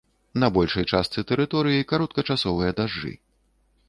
На большай частцы тэрыторыі кароткачасовыя дажджы.